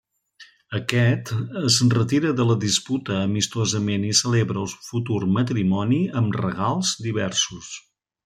Aquest es retira de la disputa amistosament i celebra el futur matrimoni amb regals diversos.